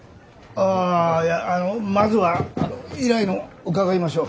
あいやあのまずは依頼の伺いましょう。